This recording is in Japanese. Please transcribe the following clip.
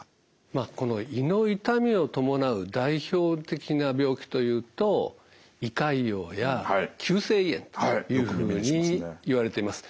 まあこの胃の痛みを伴う代表的な病気というと胃潰瘍や急性胃炎というふうにいわれています。